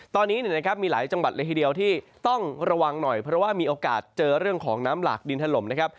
ตอนนี้นะครับมีหลายจังหวัดเลยทีเดียวที่ต้องระวังหน่อยเพราะว่ามีโอกาสเจอเรื่องของน้ำหลากดินถล่มนะครับ